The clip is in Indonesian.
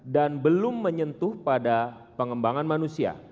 dan belum menyentuh pada pengembangan manusia